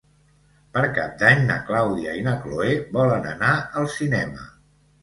Per Cap d'Any na Clàudia i na Cloè volen anar al cinema.